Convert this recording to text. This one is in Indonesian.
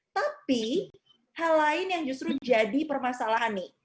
tapi hal lain yang justru jadi permasalahan nih